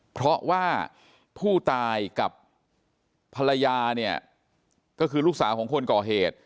เพราะว่าผู้ตายกับภรรยาเนี่ยก็คือลูกสาวของคนก่อเหตุ